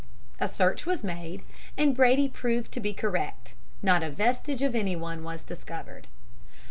"A search was made, and Brady proved to be correct. Not a vestige of anyone was discovered.